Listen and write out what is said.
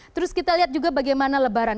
terus kita lihat juga bagaimana lebaran